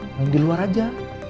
main di luar aja